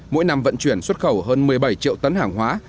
mỗi năm vận chuyển xuất khẩu hơn một mươi bảy triệu tấn hàng hóa